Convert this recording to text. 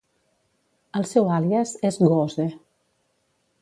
El seu àlies es Goose.